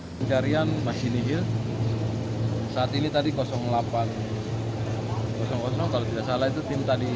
pencarian masih nihil saat ini tadi delapan kalau tidak salah itu tim tadi